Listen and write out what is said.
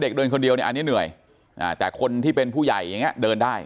เด็กเดินคนเดียวอันนี้เหนื่อยแต่คนที่เป็นผู้ใหญ่เดินได้